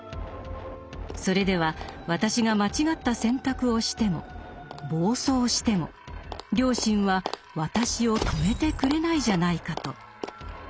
それでは「私」が間違った選択をしても暴走しても「良心」は「私」を止めてくれないじゃないかと。